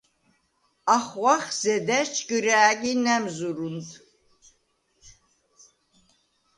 ახღვახ ზედა̈შ ჯგჷრა̄̈გი ნა̈მზჷრუნდ.